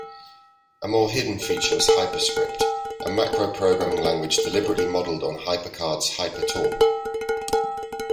A more hidden feature was HyperScript, a macro-programming language deliberately modelled on HyperCard's HyperTalk.